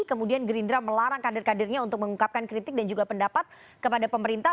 kemudian gerindra melarang kader kadernya untuk mengungkapkan kritik dan juga pendapat kepada pemerintah